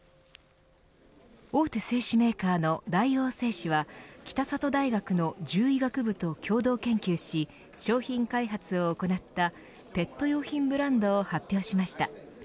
大手製紙メーカーの大王製紙は北里大学の獣医学部と共同研究し商品開発を行ったペット用品ブランドを発表しました。